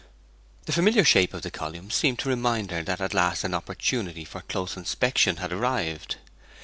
The familiar shape of the column seemed to remind her that at last an opportunity for a close inspection had arrived.